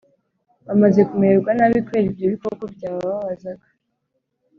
Bamaze kumererwa nabi kubera ibyo bikoko byabababazaga,